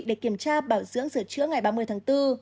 để kiểm tra bảo dưỡng sửa chữa ngày ba mươi tháng bốn